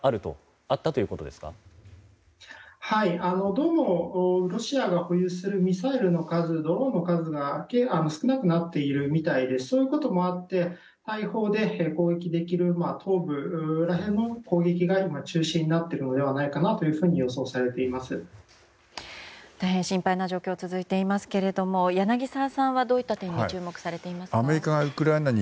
どうもロシアが保有するミサイルの数、ドローンの数が少なくなっているみたいでそういうこともあって大砲で攻撃できる東部ら辺も攻撃が今、中心になっているのではないかと大変心配な状況が続いていますが柳澤さんはどういうところに注目されていますか？